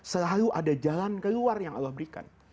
selalu ada jalan keluar yang allah berikan